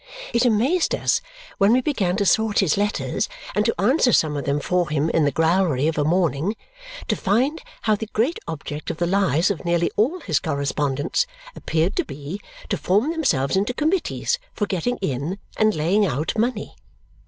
It amazed us when we began to sort his letters and to answer some of them for him in the growlery of a morning to find how the great object of the lives of nearly all his correspondents appeared to be to form themselves into committees for getting in and laying out money.